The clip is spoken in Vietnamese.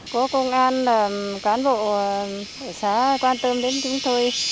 có công an là cán bộ xã quan tâm đến chúng tôi